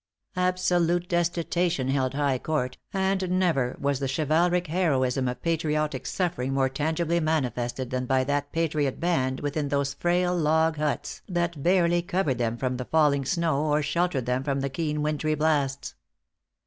"Absolute destitution held high court; and never was the chivalric heroism of patriotic suffering more tangibly manifested than by that patriot band within those frail log huts that barely covered them from the falling snow, or sheltered them from the keen wintry blasts."